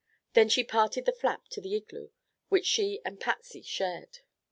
Then she parted the flap to the igloo which she and Patsy shared.